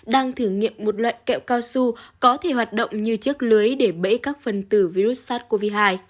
đang thử nghiệm một loại kẹo cao su có thể hoạt động như chiếc lưới để bẫy các phần tử virus sars cov hai